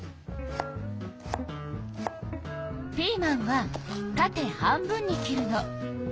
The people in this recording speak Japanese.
ピーマンはたて半分に切るの。